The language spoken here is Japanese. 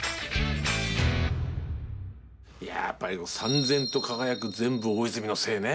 いややっぱりさん然と輝く「全部大泉のせい」ね。